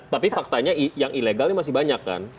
tapi faktanya yang ilegal ini masih banyak kan